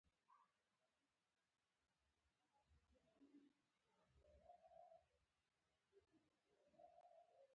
تفکر غښتلی نه کړي